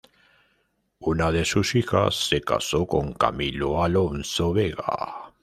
Una de sus hijas se casó con Camilo Alonso Vega.